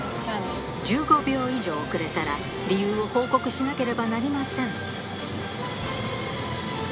１５秒以上遅れたら理由を報告しなければなりません